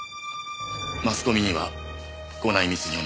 マスコミにはご内密にお願いします。